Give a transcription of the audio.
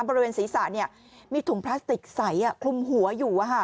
บริเวณศีรษะมีถุงพลาสติกใสคลุมหัวอยู่